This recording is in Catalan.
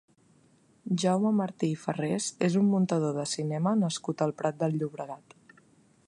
Jaume Martí i Farrés és un muntador de cinema nascut al Prat de Llobregat.